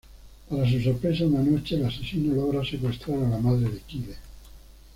Para su sorpresa, una noche el asesino logra secuestrar a la madre de Kyle.